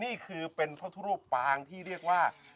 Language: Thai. นี่คือเป็นพระทุรูปปางที่เรียกว่า